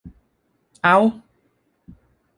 เอ๊า